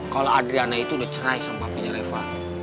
kalau adriana itu udah cerai sama punya reva